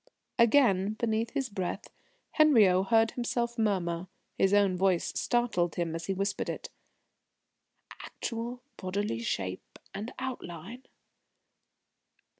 Again, beneath his breath, Henriot heard himself murmur his own voice startled him as he whispered it: "Actual bodily shape and outline?"